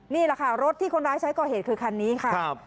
นี่แหละค่ะรถที่คนร้ายใช้ก่อเหตุคือคันนี้ค่ะ